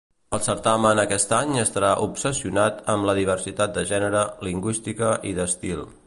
El certamen aquest any estarà "obsessionat" amb la diversitat de gènere, lingüística i d'estil.